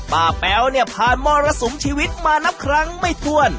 แป๊วเนี่ยผ่านมรสุมชีวิตมานับครั้งไม่ถ้วน